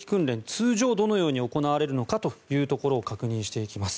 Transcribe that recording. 通常、どのように行われるのかというところを確認していきます。